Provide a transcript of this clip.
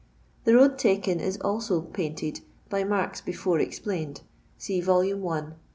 The road uken is also pointed by marks before explained, see vol. L pp.